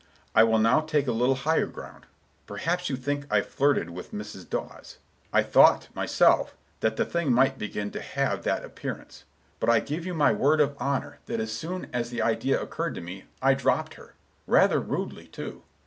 I will now take a little higher ground. Perhaps you think I flirted with Mrs. Dawes. I thought, myself, that the thing might begin to have that appearance, but I give you my word of honor that as soon as the idea occurred to me, I dropped her—rather rudely, too.